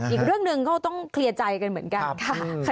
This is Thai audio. อีกเรื่องหนึ่งก็ต้องเคลียร์ใจกันเหมือนกันค่ะ